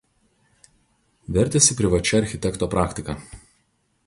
Vertėsi privačia architekto praktika.